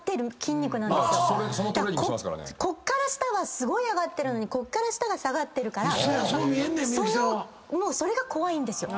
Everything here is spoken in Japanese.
こっから下すごい上がってるのにこっから下が下がってるからそれが怖いんですよ。